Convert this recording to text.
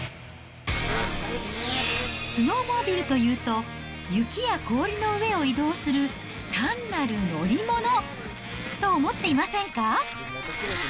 スノーモービルというと、雪や氷の上を移動する、単なる乗り物と思っていませんか？